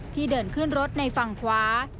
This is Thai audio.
ที่เดินขึ้นรถในฝั่งคว้า